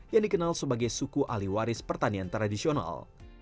yang dikenal sebagai suku alih waris pertanian tradisional